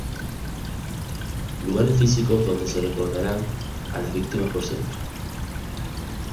Lugares físicos donde se recordarán a las víctimas por siempre.